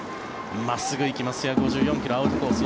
真っすぐ行きます１５４ｋｍ、アウトコース